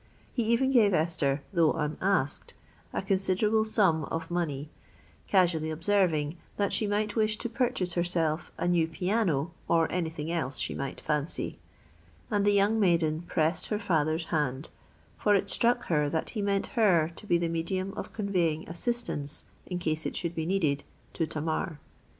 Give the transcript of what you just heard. He even gave Esther, though unasked, a considerable sum of money, casually observing "that she might wish to purchase herself a new piano, or any thing else she might fancy;"—and the young maiden pressed her father's hand, for it struck her that he meant her to be the medium of conveying assistance, in case it should be needed, to Tamar.